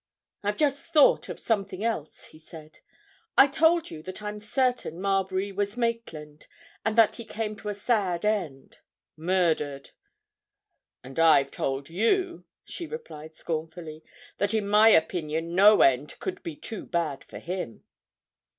"I've just thought of something else," he said. "I told you that I'm certain Marbury was Maitland, and that he came to a sad end—murdered." "And I've told you," she replied scornfully, "that in my opinion no end could be too bad for him."